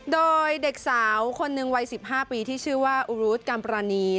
โดยเด็กสาวคนหนึ่งวัย๑๕ปีที่ชื่อว่าอุรุธกัมปรานี